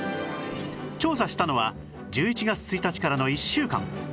調査したのは１１月１日からの１週間